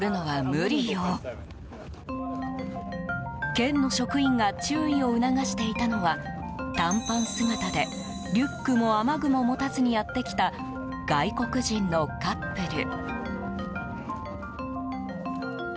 県の職員が注意を促していたのは短パン姿で、リュックも雨具も持たずにやってきた外国人のカップル。